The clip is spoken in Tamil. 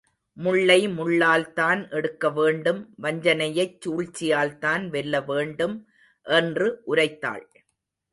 முள்ளை முள்ளால்தான் எடுக்க வேண்டும் வஞ்சனையைச் சூழ்ச்சியால்தான் வெல்ல வேண்டும் என்று உரைத்தாள்.